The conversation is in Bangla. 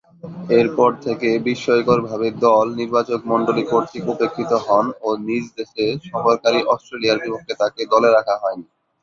এরপর থেকে বিস্ময়করভাবে দল নির্বাচকমণ্ডলী কর্তৃক উপেক্ষিত হন ও নিজ দেশে সফরকারী অস্ট্রেলিয়ার বিপক্ষে তাকে দলে রাখা হয়নি।